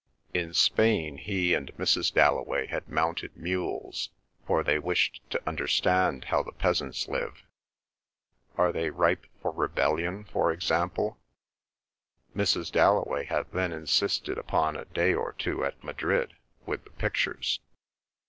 In Spain he and Mrs. Dalloway had mounted mules, for they wished to understand how the peasants live. Are they ripe for rebellion, for example? Mrs. Dalloway had then insisted upon a day or two at Madrid with the pictures.